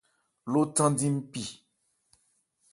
Lo thandi npi.